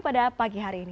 pada pagi hari ini